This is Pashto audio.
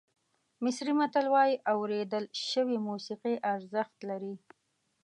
مصري متل وایي اورېدل شوې موسیقي ارزښت لري.